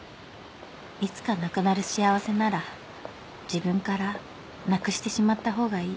「いつかなくなる幸せなら自分からなくしてしまった方がいい」